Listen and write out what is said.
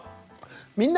「みんな！